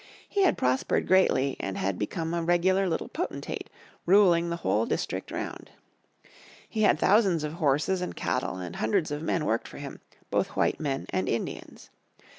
He had prospered greatly, and had become a regular little potentate, ruling the whole district round. He had thousands of horses and cattle, and hundreds of men worked for him, both white men and Indians.